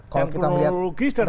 kalau kita melihat bereaksi pak sby ini